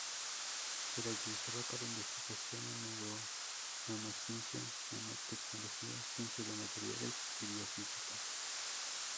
Se la utilizaba para investigación en nanociencia, nanotecnología, ciencia de materiales y biofísica.